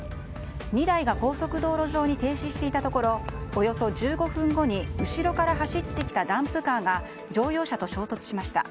２台が高速道路上に停止していたところおよそ１５分後に後ろから走ってきたダンプカーが乗用車と衝突しました。